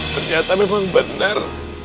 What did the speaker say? ternyata memang benar